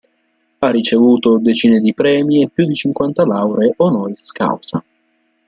Ha ricevuto decine di premi e più di cinquanta lauree honoris causa.